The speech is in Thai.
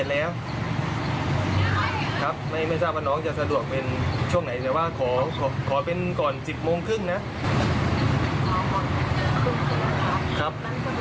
พาปรับโชคมาด้วยนะครับ